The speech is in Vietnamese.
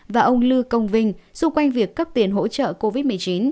và ông lưu công vinh xung quanh việc cấp tiền hỗ trợ covid một mươi chín